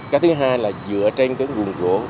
cái thứ hai là dựa trên cái nguồn gỗ